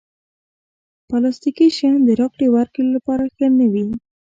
پلاستيکي شیان د راکړې ورکړې لپاره ښه نه وي.